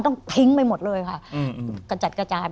ต้องทิ้งไปหมดเลยค่ะกระจัดกระจาย